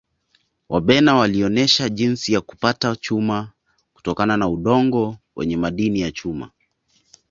Wabena walionesha jinsi ya kupata chuma kutokana na udongo wenye madini ya chuma